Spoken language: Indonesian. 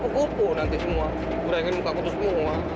kupu nanti semua kurangin muka kutu semua